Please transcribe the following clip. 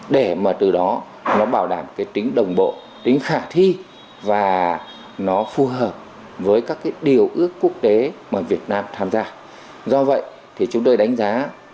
để mà từ đó nó bảo đảm cái tính đồng bộ tính khả thi và nó phù hợp với các điều ước của quốc gia